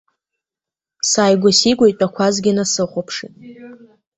Сааигәа-сигәа итәақәазгьы насыхәаԥшит.